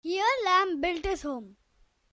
Here, Lamb built his home.